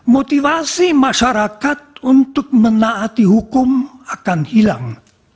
motivasi masyarakat untuk menaati hukum akan hilang